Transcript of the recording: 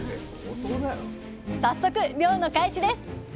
早速漁の開始です。